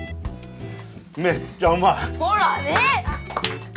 めっちゃうまい！ほらね！